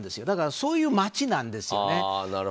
だから、そういう街なんですね。